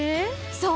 そう！